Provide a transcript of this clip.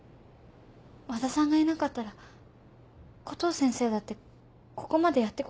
和田さんがいなかったらコトー先生だってここまでやってこれなかったと思います。